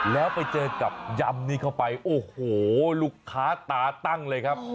แล้วไปเจอกับยำนี้เข้าไปโอ้โหลูกค้าตาตั้งเลยครับ